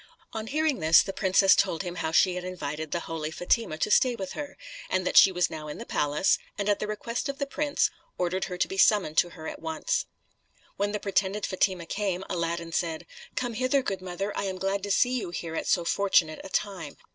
On hearing this the princess told him how she had invited the holy Fatima to stay with her, and that she was now in the palace; and at the request of the prince, ordered her to be summoned to her at once. When the pretended Fatima came, Aladdin said, "Come hither, good mother; I am glad to see you here at so fortunate a time.